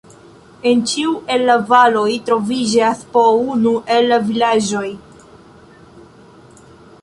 En ĉiu el la valoj troviĝas po unu el la vilaĝoj.